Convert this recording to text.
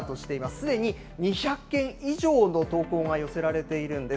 すでに２００件以上の投稿が寄せられているんです。